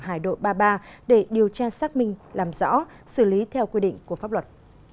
hải đội ba mươi ba để điều tra xác minh làm rõ xử lý theo quy định của pháp luật